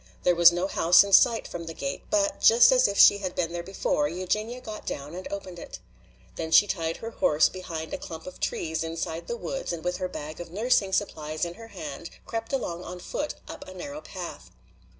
There was no house in sight from the gate, but just as if she had been there before, Eugenia got down and opened it. Then she tied her horse behind a clump of trees inside the woods and with her bag of nursing supplies in her hand crept along on foot up a narrow path.